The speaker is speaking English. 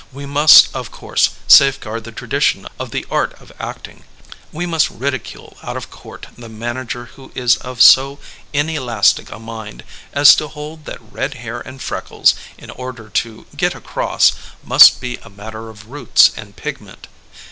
We must, of course, safeguard the tradition of the art of acting ; we must ridicule out of court the manager who is of so inelastic a mind as to hold that red hair and freckles, in order to ''get across," must be a matter of roots and pigment.